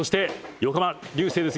「横浜流星です。